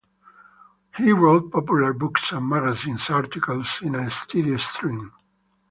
He wrote popular books and magazine articles in a steady stream.